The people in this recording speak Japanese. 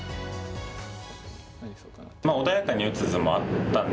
まあ穏やかに打つ図もあったんですけど